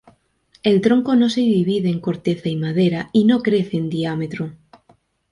El tronco no se divide en corteza y madera y no crece en diámetro.